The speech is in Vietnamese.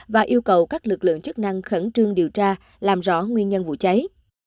và yêu cầu các lực lượng chức năng khẩn trương điều tra làm rõ nguyên nhân vụ cháy